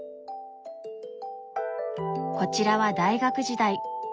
こちらは大学時代。